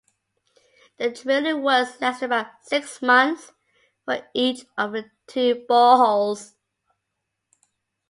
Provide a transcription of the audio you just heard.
The drilling works lasted about six month for each of the two boreholes.